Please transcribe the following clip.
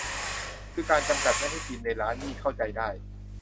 คือการจำกัดไม่ให้กินในร้านนี่เข้าใจได้